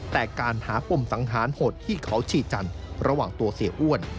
แต่การหาปมสังหารโหดที่เขาชีจันทร์ระหว่างตัวเสียอ้วน